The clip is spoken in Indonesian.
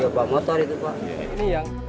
ini pak motor itu pak